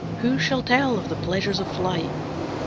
Who shall tell of the pleasures of flight!